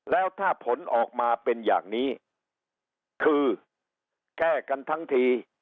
แล้วถ้าผลออกมาเป็นอย่างนี้คือแก้กันทั้งที